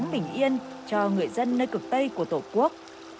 hãy tỉnh yên cho người dân nơi cực tây của tổ quốc